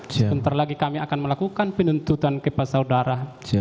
sebentar lagi kami akan melakukan penuntutan kepada saudara